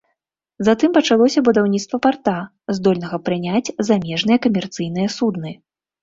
Затым пачалося будаўніцтва парта, здольнага прыняць замежныя камерцыйныя судны.